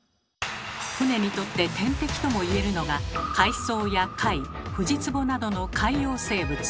船にとって天敵ともいえるのが海藻や貝フジツボなどの「海洋生物」。